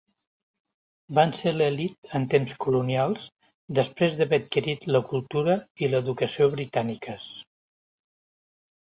Van ser l'elit en temps colonials després d'haver adquirit la cultura i l'educació britàniques.